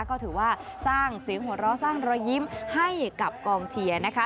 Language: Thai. ก็ถือว่าสร้างเสียงหัวเราะสร้างรอยยิ้มให้กับกองเชียร์นะคะ